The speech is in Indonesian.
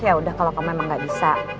yaudah kalau kamu emang gak bisa